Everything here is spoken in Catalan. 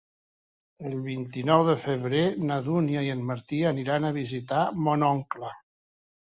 El vint-i-nou de febrer na Dúnia i en Martí aniran a visitar mon oncle.